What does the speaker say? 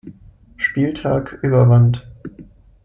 Spieltag überwand.